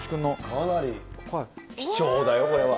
かなり貴重だよ、これは。